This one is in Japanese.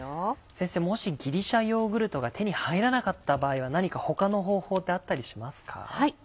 先生もしギリシャヨーグルトが手に入らなかった場合は何か他の方法ってあったりしますか？